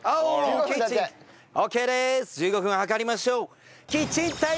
１５分計りましょう。